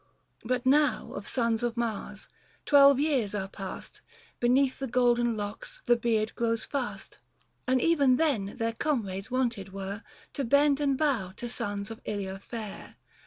But now of sons of Mars : twelve years are passed, 65 Beneath the golden locks the beard grows fast ; And even then their comrades wonted were To bend and bow to sons of Ilia fair.